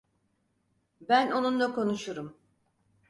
Ben onunla konuşurum.